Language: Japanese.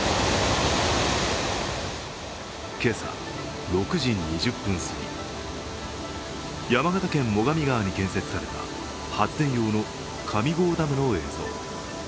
今朝６時２０分すぎ、山形県最上川に建設された発電用の上郷ダムの映像。